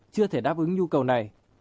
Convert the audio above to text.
chưa thể đáp ứng nhu cầu này